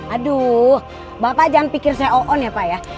aduh bapak jangan pikir saya oon ya pak ya